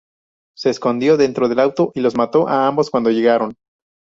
Se escondió dentro del auto y los mató a ambos cuando llegaron.